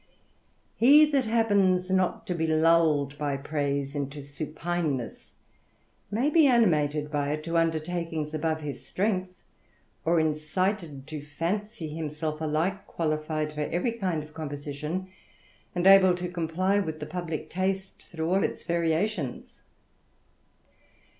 He that happens not to be lulled by praise into supi^ Hess, may be animated by it to undertakings above THE RAMBLER. 41 strength, or incited to fancy himself alike qualified for every kind of composition, and able to comply with the publick taste through all its variations.